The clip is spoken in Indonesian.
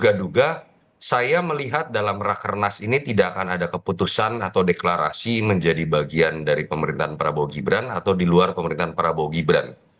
saya duga saya melihat dalam rakernas ini tidak akan ada keputusan atau deklarasi menjadi bagian dari pemerintahan prabowo gibran atau di luar pemerintahan prabowo gibran